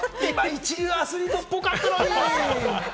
一流のアスリートっぽかったのに。